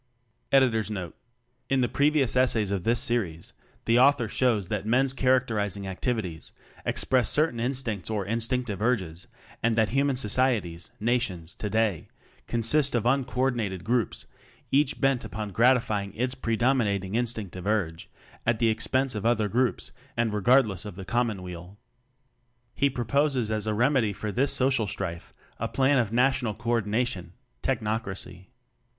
By William Henry Smyth Note In the previous essays of this series the author shows that men's characterizing activities express certain instincts or instinctive urges and that human societies (nations) today consist of uncoordinated groups, each bent upon gratifying its predominating instinctive urge at the expense of other groups and regardless of the common weal. He proposes as a remedy for this social strife a plan of National Co ordination Technocracy.